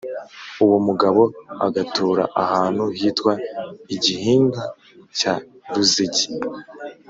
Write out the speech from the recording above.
uwomugabo agatura ahantu hitwa i Gihinga cya Ruzege